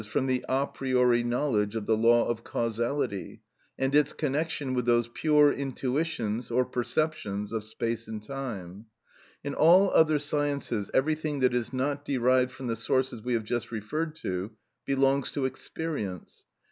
_, from the a priori knowledge of the law of causality and its connection with those pure intuitions or perceptions of space and time. In all other sciences everything that is not derived from the sources we have just referred to belongs to experience.